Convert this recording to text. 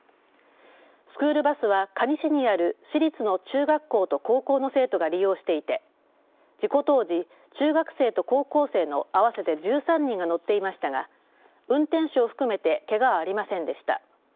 スクールバスは可児市にある市立の中学校と高校の生徒が利用していて事故当時、中学生と高校生の合わせて１３人が乗っていましたが運転手を含めてけがは、ありませんでした。